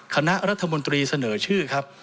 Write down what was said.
คณะรัฐมนตรีเสนอชื่อครับ